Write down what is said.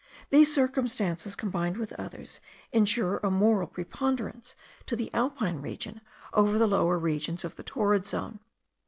These circumstances, combined with others, insure a moral preponderance to the Alpine region over the lower regions of the torrid zone.